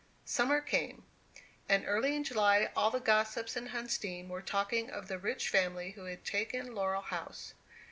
Summer came. And early in July all the gossips in Huntsdean were talking of the rich family who had taken Laurel House.